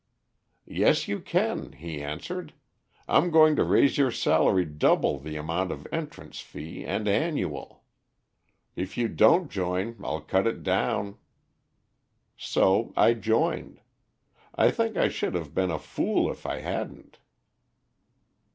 'Yes, you can,' he answered. 'I'm going to raise your salary double the amount of entrance fee and annual. If you don't join I'll cut it down.' So I joined. I think I should have been a fool if I hadn't."